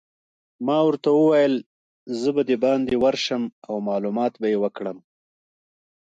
ما ورته وویل: زه به دباندې ورشم او معلومات به يې وکړم.